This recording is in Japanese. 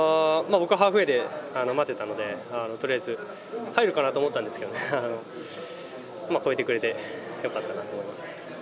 僕、ハーフウェイで待てたので、とりあえず、入るかなと思ったんですけどね、越えてくれてよかったなと思います。